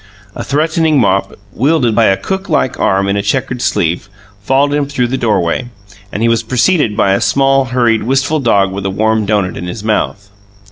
A threatening mop, wielded by a cooklike arm in a checkered sleeve, followed him through the doorway, and he was preceded by a small, hurried, wistful dog with a warm doughnut in his mouth.